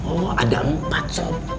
oh ada empat sob